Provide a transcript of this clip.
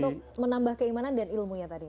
untuk menambah keimanan dan ilmunya tadi